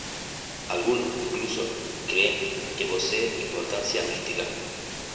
Algunos incluso creen que posee una importancia mística.